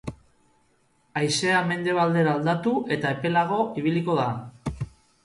Haizea mendebaldera aldatu eta epelago ibiliko da.